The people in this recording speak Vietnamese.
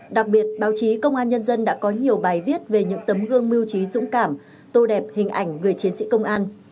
đặc biệt báo chí công an nhân dân đã có nhiều bài viết về những tấm gương mưu trí dũng cảm tô đẹp hình ảnh người chiến sĩ công an